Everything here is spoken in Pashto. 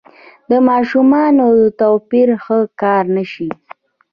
د ماشومانو توپیر ښه کار نه دی.